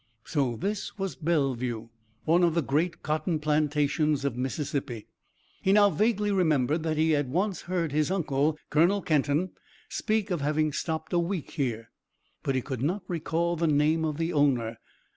So this was Bellevue, one of the great cotton plantations of Mississippi. He now vaguely remembered that he had once heard his uncle, Colonel Kenton, speak of having stopped a week here. But he could not recall the name of the owner.